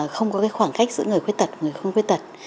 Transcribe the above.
không có khoảng cách giữa người khuyết tật người không khuyết tật